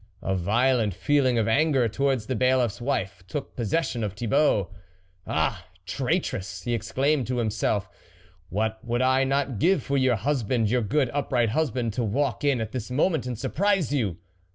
A violent feeling of anger towards the Bailiffs wife took possession of Thibault. " Ah ! traitress !" he exclaimed to him self, " what would I not give for your hus band, your good, upright husband, to walk in at this moment and surprise you.